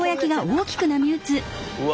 うわ。